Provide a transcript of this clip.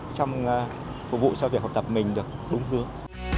trong phục vụ cho việc học tập mình được đúng hướng